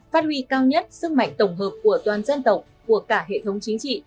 phát huy cao nhất sức mạnh tổng hợp của toàn dân tộc của cả hệ thống chính trị